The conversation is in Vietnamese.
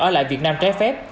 ở lại việt nam trái phép